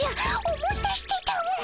思い出してたも。